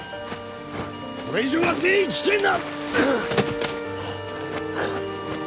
これ以上は全員危険だ！